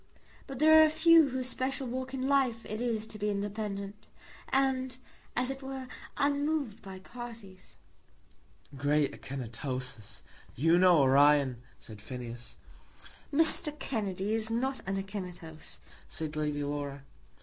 But there are a few whose special walk in life it is to be independent, and, as it were, unmoved by parties." "Great Akinetoses! You know Orion," said Phineas. "Mr. Kennedy is not an Akinetos," said Lady Laura.